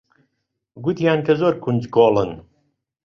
گوتیان کە زۆر کونجکۆڵن.